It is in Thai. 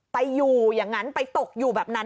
ไปอยู่อย่างนั้นไปตกอยู่แบบนั้น